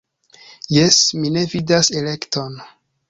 Jes, mi ne vidas elekton.